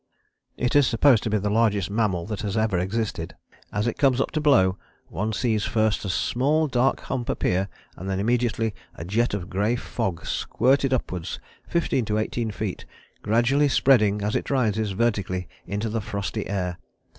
" It is supposed to be the largest mammal that has ever existed. As it comes up to blow, "one sees first a small dark hump appear and then immediately a jet of grey fog squirted upwards fifteen to eighteen feet, gradually spreading as it rises vertically into the frosty air.